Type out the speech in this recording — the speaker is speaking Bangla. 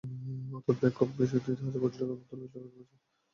অর্থাৎ ব্যাংকে কম–বেশি তিন হাজার কোটির মতো অলস টাকা জমে আছে।